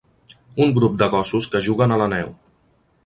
Un grup de gossos que juguen a la neu.